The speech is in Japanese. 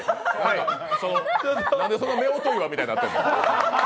なんでそんなめおと岩みたいになってんの。